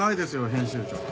編集長。